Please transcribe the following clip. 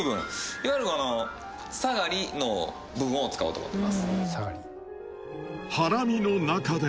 いわゆるこの。の部分を使おうと思っています。